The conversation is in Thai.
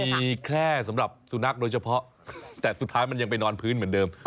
มีแค่สำหรับสุนัขโดยเฉพาะแต่สุดท้ายมันยังไปนอนพื้นเหมือนเดิม